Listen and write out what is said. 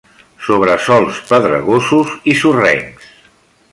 Sobre sòls pedregosos i sorrencs.